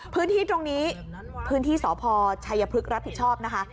พื้นที่ตรงนี้พื้นที่สพชัยพฤกษ์รับผิดชอบนะคะ